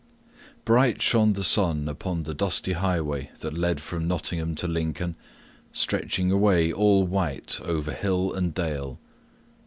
Bright shone the sun upon the dusty highway that led from Nottingham to Lincoln, stretching away all white over hill and dale.